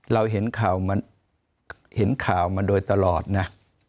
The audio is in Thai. เราเห็นข่าวมาโดยตลอดนะ